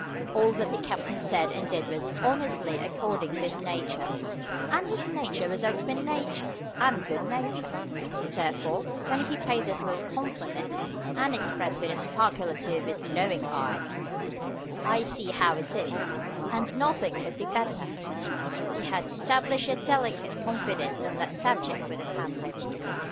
All that the captain said and did was honestly according to his nature; and his nature was open nature and good nature; therefore, when he paid this little compliment, and expressed with a sparkle or two of his knowing eye, "I see how it is, and nothing could be better," he had established a delicate confidence on that subject with the family.